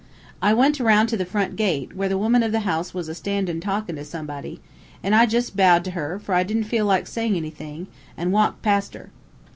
I went aroun' to the front gate, where the woman of the house was a standin' talkin' to somebody, an' I jus' bowed to her, for I didn't feel like sayin' anything, an' walked past her.